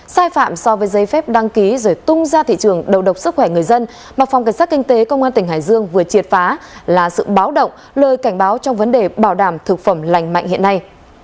sai phạm so với giấy phép đăng ký rồi tung ra thị trường đầu độc sức khỏe người dân mà phòng cảnh sát kinh tế công an tỉnh hải dương vừa triệt phá là sự báo động lời cảnh báo trong vấn đề bảo đảm thực phẩm lành mạnh hiện nay